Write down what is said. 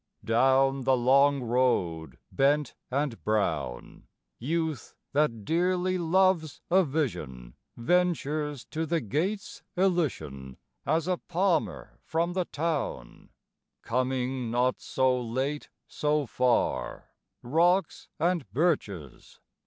DOWN the long road bent and brown, Youth, that dearly loves a vision, Ventures to the gates Elysian, As a palmer from the town, Coming not so late, so far, Rocks and birches!